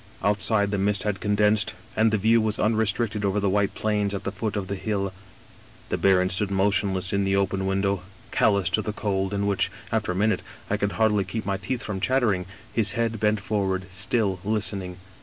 Outside the mist had condensed, and the view was^ unrestricted over the white plains at the foot of the hill. " The baron stood motionless in the open window, cal lous to the cold in which, after a minute, I could hardly keep my teeth from chattering, his head bent forward, still listening.